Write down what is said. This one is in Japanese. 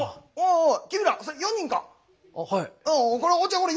おい。